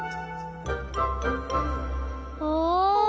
お。